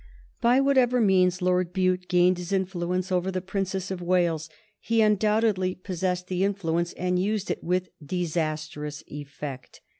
By whatever means Lord Bute gained his influence over the Princess of Wales, he undoubtedly possessed the influence and used it with disastrous effect.